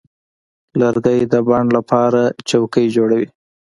لرګی د بڼ لپاره څوکۍ جوړوي.